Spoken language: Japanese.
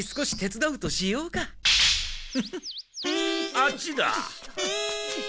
あっちだ。